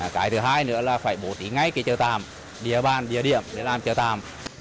cái thứ hai nữa là phải bố trí ngay cái chợ tạm địa bàn địa điểm để làm chợ tạm